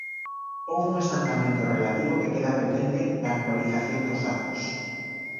Houbo un estancamento relativo que queda pendente da actualización dos datos.